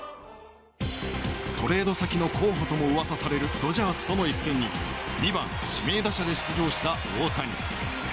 トレード先の候補とも噂されるドジャースとの一戦に２番指名打者で出場した大谷。